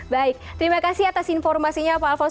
baik terima kasih atas informasinya pak alfons